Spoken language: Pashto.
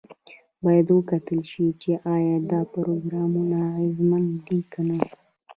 باید وکتل شي چې ایا دا پروګرامونه اغیزمن دي که نه.